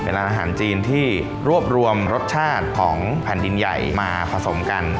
ร้านอาหารจีนที่รวบรวมรสชาติของแผ่นดินใหญ่มาผสมกัน